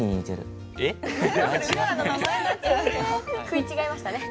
食い違いましたね。